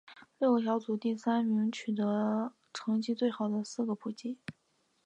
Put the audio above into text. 六个小组的第三名取成绩最好的四个晋级。